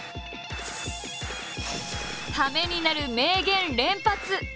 ためになる名言連発！